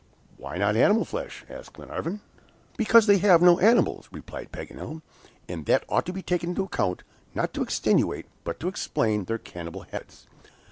"Why not animal flesh?" asked Glenarvan. "Because they have no animals," replied Paganel; "and that ought to be taken into account, not to extenuate, but to explain, their cannibal habits.